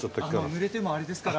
濡れてもあれですから。